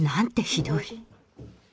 ひどい。